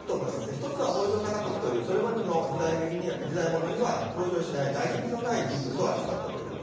１つは北条高時というそれまでの時代物には登場しないなじみのない人物を扱ったということ。